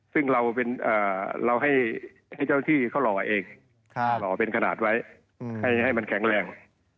ซึ่งเราให้เจ้าที่เขาหล่อเองหล่อเป็นขนาดไว้ให้มันแข็งแรง